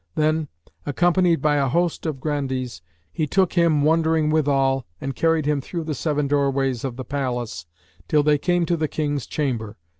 Then, accompanied by a host of Grandees, he took him wondering withal and carried him through the seven doorways of the palace, till they came to the King's chamber.